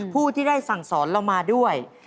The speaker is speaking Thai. ผู้ที่ได้สั่งสอนเรามาด้วย